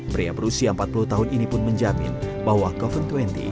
pria berusia empat puluh tahun ini pun menjamin bahwa covid dua puluh